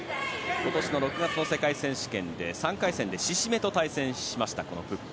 今年の６月の世界選手権で３回戦で志々目と対戦しましたプップ。